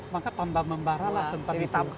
maka tambah membara lah tempat itu